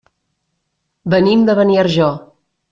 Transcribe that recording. Venim de Beniarjó.